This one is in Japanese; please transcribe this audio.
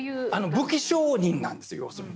武器商人なんです要するに。